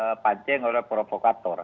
terpancing oleh provokator